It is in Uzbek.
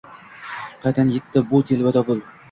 Qaydan yetdi bu telba dovul?